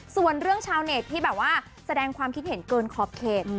ส่วนเรื่องชาวเน็ตที่แบบว่าแสดงความคิดเห็นเกินขอบเขต